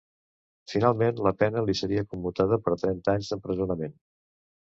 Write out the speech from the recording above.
Finalment la pena li seria commutada per trenta anys d'empresonament.